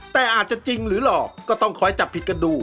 แต่อาจจะจริงหรือหลอกก็ต้องคอยจับผิดกันดู